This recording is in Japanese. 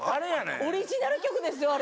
オリジナル曲ですよ、あれ。